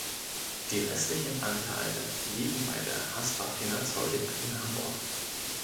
Die restlichen Anteile liegen bei der Haspa Finanzholding in Hamburg.